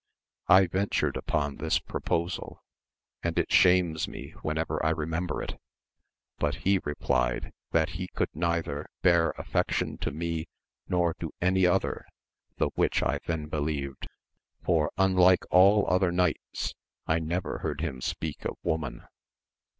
I ventured upoli this proposal, and it shames me whenever I remember it, but he replied, that he could neither bear affectiou to me nor to any other ; the which I then believed, for unlike all other knights, I never heard him speak of woman.